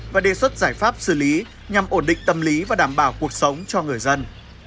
và đề xuất giải pháp xử lý nhằm ổn định tâm lý và đảm bảo cuộc sống cho người dân